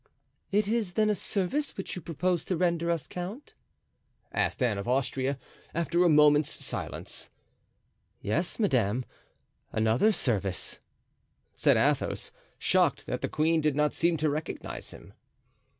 "It is then a service which you propose to render us, count?" asked Anne of Austria, after a moment's silence. "Yes, madame, another service," said Athos, shocked that the queen did not seem to recognize him.